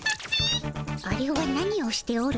あれは何をしておるのじゃ？